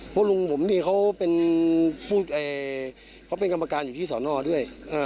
เพราะลุงผมนี่เขาเป็นกรรมการอยู่ที่สอนอด้วย